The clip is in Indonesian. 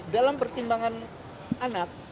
dalam pertimbangan anak